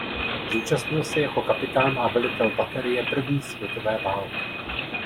Zúčastnil se jako kapitán a velitel baterie první světové války.